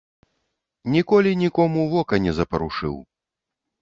Нікому ніколі вока не запарушыў.